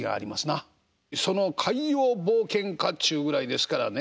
海洋冒険家っちゅうぐらいですからね